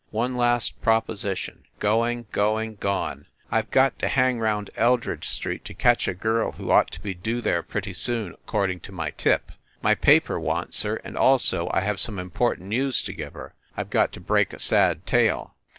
One last proposition; going, going, gone! I ve got to hang round Eldridge Street to catch a girl who ought to be due there pretty soon, according to my tip. My paper wants her, and also I have some important news to give her I ve got to break a sad tale.